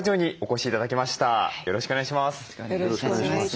よろしくお願いします。